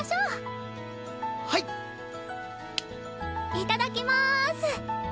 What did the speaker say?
いただきまーす！